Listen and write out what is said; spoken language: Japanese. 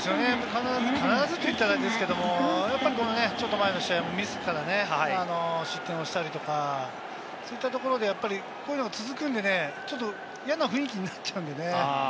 必ずと言ったらあれですけれども、ちょっと前の試合もミスからね、失点をしたりとか、そういったところで、こういうのが続くんでね、嫌な雰囲気になっちゃうんでね。